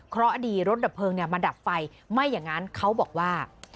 เพราะดีรถดับเพลิงเนี่ยมาดับไฟไม่อย่างนั้นเขาบอกว่า